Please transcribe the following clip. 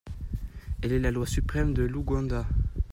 Elle est la loi suprême de l’Ouganda.